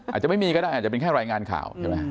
อาจจะไม่มีก็ได้อาจจะเป็นแค่รายงานข่าวใช่ไหม